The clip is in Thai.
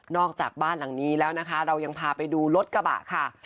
จากบ้านหลังนี้แล้วนะคะเรายังพาไปดูรถกระบะค่ะ